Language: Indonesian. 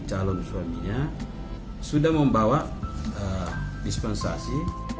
calon suaminya sudah membawa dispensasi